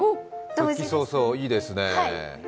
復帰早々いいですねえ。